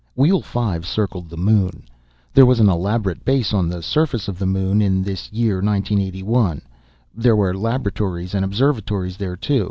Wheel Five circled the Moon. There was an elaborate base on the surface of the Moon in this year 1981. There were laboratories and observatories there, too.